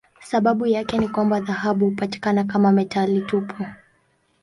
Sababu yake ni kwamba dhahabu hupatikana kama metali tupu.